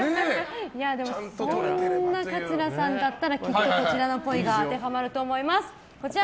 そんな桂さんだったらきっとこちらの、っぽいが当てはまると思います。